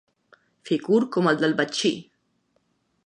Fer curt com el de Betxí.